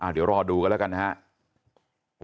เดี๋ยวรอดูกันแล้วกันนะครับ